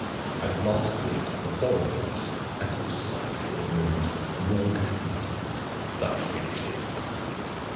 And, lastly, at the Foreign Office I caught sight, for a moment, of Lord Lackington. That finished it."